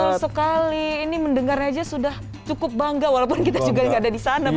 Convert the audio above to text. betul sekali ini mendengarnya aja sudah cukup bangga walaupun kita juga gak ada di sana